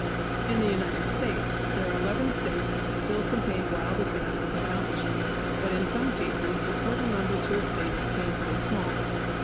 In the United States there are eleven States that still contain wild examples of mountain sheep, but in some cases the total number to a State is painfully small.